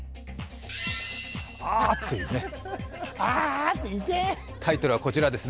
あーっというね、タイトルはこちらです。